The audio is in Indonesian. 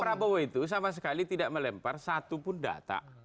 pak prabowo itu sama sekali tidak melempar satu pun data